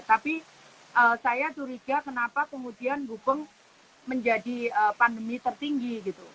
tapi saya curiga kenapa kemudian gupeng menjadi pandemi tertinggi